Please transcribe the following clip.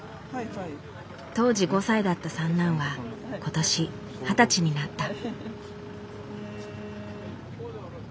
当時５歳だった三男は今年二十歳になった。